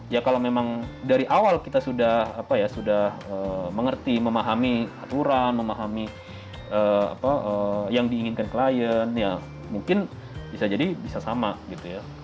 ya kalau memang dari awal kita sudah mengerti memahami aturan memahami apa yang diinginkan klien ya mungkin bisa jadi bisa sama gitu ya